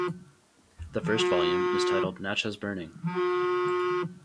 The first volume is titled "Natchez Burning".